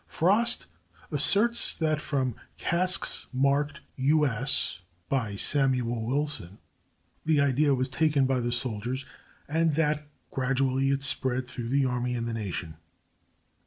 Frost asserts that from casks marked "U. S." by Samuel Wilson, the idea was taken by the soldiers, and that gradually it spread through the army and the nation.